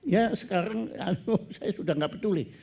ya sekarang aduh saya sudah tidak peduli